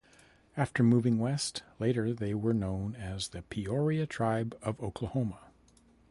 After moving West, later they were known as the Peoria Tribe of Oklahoma.